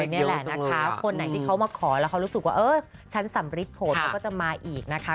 นี่แหละนะคะคนไหนที่เขามาขอแล้วเขารู้สึกว่าเออฉันสำริดผลแล้วก็จะมาอีกนะคะ